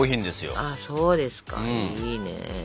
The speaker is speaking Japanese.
そうですかいいね。